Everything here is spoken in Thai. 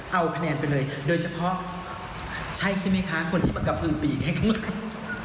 เอาคะแนนไปเลยโดยเฉพาะใช่ใช่ไหมคะคนที่มากระพือปีกให้ข้างหลัง